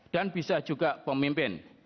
dan bisa juga pemimpin